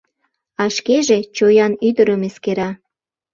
А шкеже чоян ӱдырым эскера.